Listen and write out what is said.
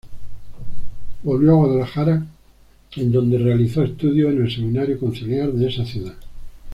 Volvió a Guadalajara en donde realizó estudios en el Seminario Conciliar de esa ciudad.